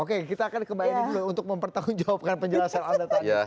oke kita akan ke mbak emy dulu untuk mempertahankan jawaban penjelasan anda tadi